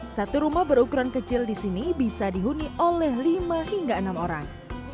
satu rumah berukuran kecil di sini bisa dihuni oleh lima hingga enam orang